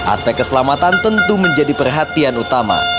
aspek keselamatan tentu menjadi perhatian utama